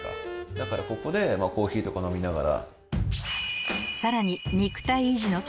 だからここでコーヒーとか飲みながら。